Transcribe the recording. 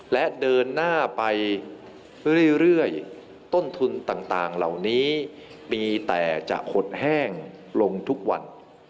และเดินหน้าไปเรื่อยต้นทุนต่างเหล่านี้มีแต่จะหดแห้งลงทุกวัน